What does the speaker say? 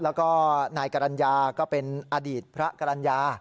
แล้วก็นายกรรณญาก็เป็นอดีตพระกรรณญา